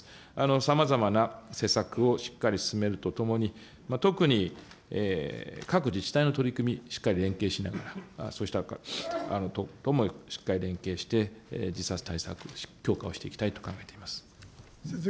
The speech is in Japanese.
さまざまな施策をしっかり進めるとともに、特に各自治体の取り組み、しっかり連携しながら、そうしたところともしっかり連携して、自殺対策強化をしていきたいと考えております。